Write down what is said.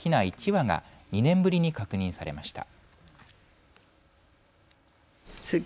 １羽が２年ぶりに確認されました。